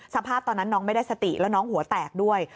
สภาพตอนนั้นน้องไม่ได้สติแล้วน้องหัวแตกด้วย